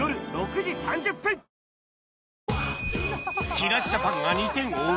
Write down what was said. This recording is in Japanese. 木梨ジャパンが２点を追う